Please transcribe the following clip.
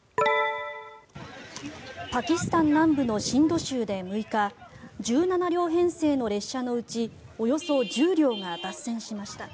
パキスタン南部のシンド州で６日１７両編成の列車のうちおよそ１０両が脱線しました。